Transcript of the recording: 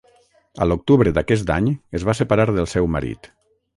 A l'octubre d'aquest any es va separar del seu marit.